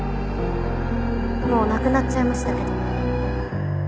もう亡くなっちゃいましたけど。